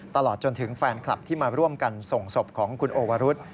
ตลอดจนถึงแฟนคลับที่มาร่วมกันส่งศพของคุณโอวรุษ